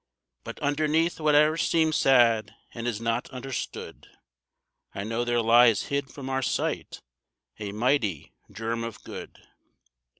But underneath whate'er seems sad and is not understood, I know there lies hid from our sight a mighty germ of good.